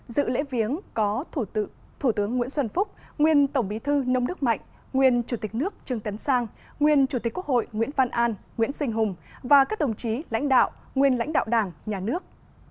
dự lễ viếng có thủ tướng nguyễn xuân phúc nguyên tổng bí thư nông đức mạnh nguyên chủ tịch nước trương tấn sang nguyên chủ tịch quốc hội nguyễn văn an nguyễn sinh hùng và các đồng chí lãnh đạo nguyên lãnh đạo đảng nhà nước